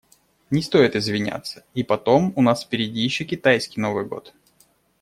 Не стоит извиняться, и потом у нас впереди еще китайский Новый год.